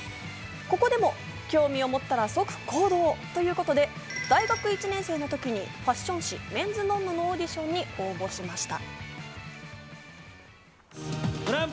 ここでも興味を持ったら即行動ということで、大学１年生の時にファッション誌『メンズノンノ』のオーディションに応募しました。